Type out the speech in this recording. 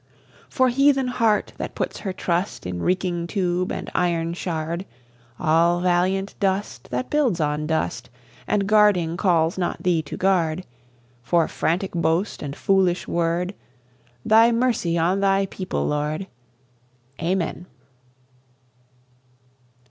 For heathen heart that puts her trust In reeking tube and iron shard All valiant dust that builds on dust, And guarding calls not Thee to guard For frantic boast and foolish word, Thy mercy on Thy People, Lord! Amen.